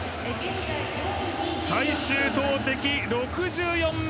最終投てき、６４ｍ。